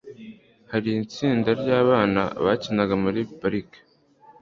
Hari itsinda ryabana bakinaga muri parike